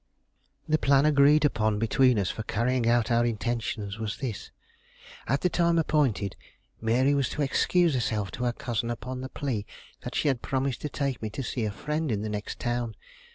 The plan agreed upon between us for the carrying out of our intentions was this. At the time appointed, Mary was to excuse herself to her cousin upon the plea that she had promised to take me to see a friend in the next town.